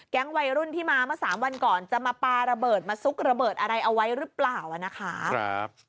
วัยรุ่นที่มาเมื่อสามวันก่อนจะมาปลาระเบิดมาซุกระเบิดอะไรเอาไว้หรือเปล่านะคะ